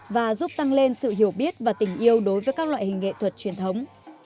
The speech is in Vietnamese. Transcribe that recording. và giúp tăng lên sự hiểu biết và tình yêu đối với các loại hình nghệ thuật truyền thống